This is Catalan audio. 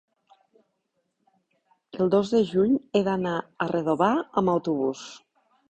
El dos de juny he d'anar a Redovà amb autobús.